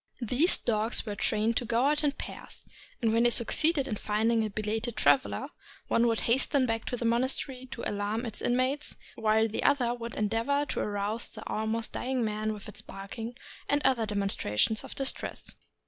These dogs were trained to go out in pairs, and when they succeeded in finding a belated traveler, one would hasten back to the monastery to alarm its inmates, while the other would endeavor to arouse the almost dying man with its barking and other demonstrations of distress.